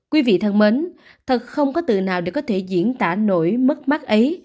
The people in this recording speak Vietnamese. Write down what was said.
quý vị thân mến thật không có từ nào để có thể diễn tả nổi mất mắt ấy